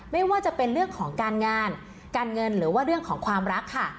ไม่ว่าจะเป็นเรื่องของการงานการเงินหรือว่าเรื่องของความรักค่ะ